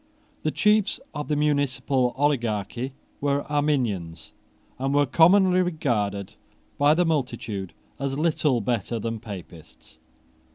The chiefs of the municipal oligarchy were Arminians, and were commonly regarded by the multitude as little better than Papists.